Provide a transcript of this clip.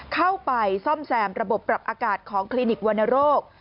เข้าไปซ่อมแซมระบบปรับอากาศของคลินิกวรรณโรค